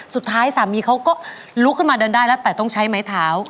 สามีเขาก็ลุกขึ้นมาเดินได้แล้วแต่ต้องใช้ไม้เท้า